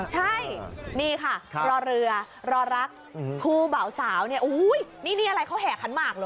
ใช่นี่ค่ะรอเรือรอรักครูเบาสาวเนี่ยนี่อะไรเขาแห่ขันหมากเหรอ